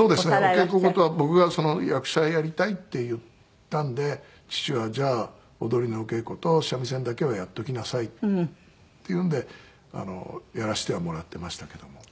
お稽古事は僕が役者をやりたいって言ったんで父は「じゃあ踊りのお稽古と三味線だけはやっておきなさい」って言うんでやらせてはもらっていましたけども。